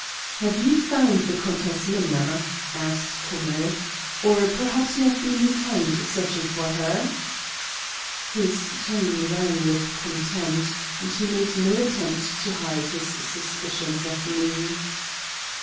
"Have you found the Countess Minna?" asked Kummell. "Or perhaps you have been detained searching for her?" His tone rang with contempt, and he made no attempt to hide his suspicions of me.